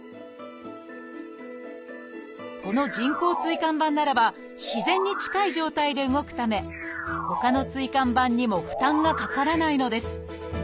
この人工椎間板ならば自然に近い状態で動くためほかの椎間板にも負担がかからないのです